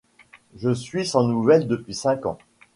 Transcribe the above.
Je suis sans nouvelles depuis cinq ans !